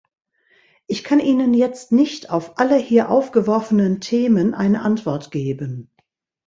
Ich kann Ihnen jetzt nicht auf alle hier aufgeworfenen Themen eine Antwort geben.